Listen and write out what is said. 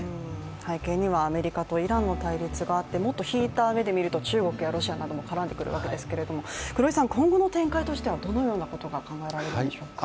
背景にはアメリカとイランの対立もあって引いた目で見ると、中国やロシアなども関わってくるんですけれども今後の展開としてはどのようなことが考えられるんでしょうか？